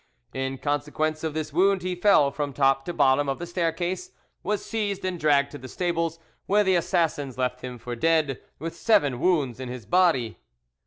In consequence of this wound he fell from top to bottom of the staircase, was seized and dragged to the stables, where the assassins left him for dead, with seven wounds in his body.